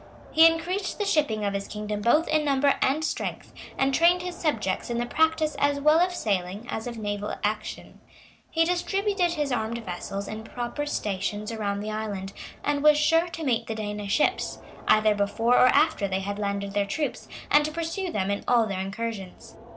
He increased the shipping of his kingdom both in number and strength, and trained his subjects in the practice as well of sailing as of naval action. He distributed his armed vessels in proper stations around the island, and was sure to meet the Danish ships, either before or after they had landed their troops, and to pursue them in all their incursions.